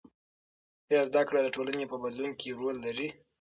آیا زده کړه د ټولنې په بدلون کې رول لري؟